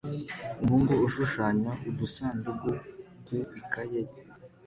Umuhungu ushushanya udusanduku ku ikaye ye